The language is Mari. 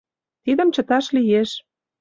Тидым чыташ лиеш.